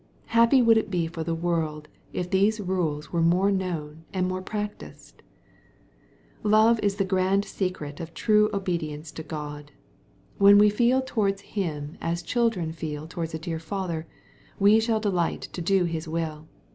Happy would it be for the world, if these rules were more known and more practised I Love is the grand secret of true obedience to God, When we feel towards Him as children feel towards a dear fsither, we shall delight to do His will.